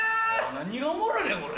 何がおもろいねんこれ。